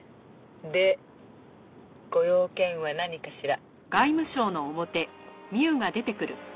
でご用件は何かしら？